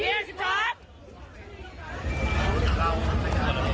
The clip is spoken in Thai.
เลือกเบอร์เลือกเบอร์